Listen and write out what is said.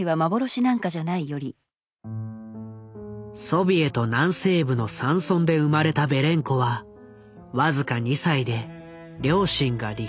ソビエト南西部の山村で生まれたベレンコは僅か２歳で両親が離婚。